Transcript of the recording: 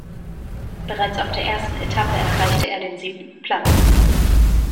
Bereits auf der ersten Etappe erreichte er den siebenten Platz.